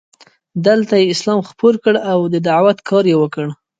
دلته یې اسلام خپور کړ او د دعوت کار یې وکړ.